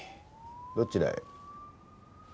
どちらへ？